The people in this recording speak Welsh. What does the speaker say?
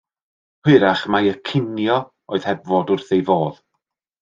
Hwyrach mai y cinio oedd heb fod wrth ei fodd.